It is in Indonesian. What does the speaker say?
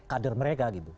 kader mereka gitu